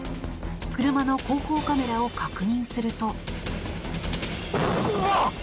車の後方カメラを確認すると。